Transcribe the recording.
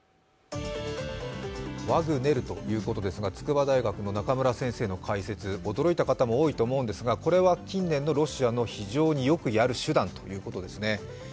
ワグネルということですが筑波大学の中村先生の解説驚いた方も多いと思うんですがこれは近年のロシアの、非常によくやる手段ということですね。